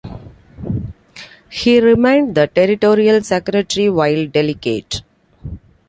He remained the Territorial Secretary while Delegate.